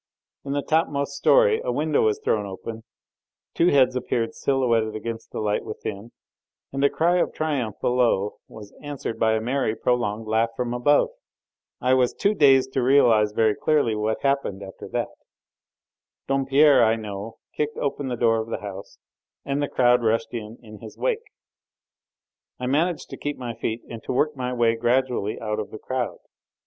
In the topmost storey a window was thrown open, two heads appeared silhouetted against the light within, and the cry of triumph below was answered by a merry, prolonged laugh from above. I was too dazed to realise very clearly what happened after that. Dompierre, I know, kicked open the door of the house, and the crowd rushed in, in his wake. I managed to keep my feet and to work my way gradually out of the crowd.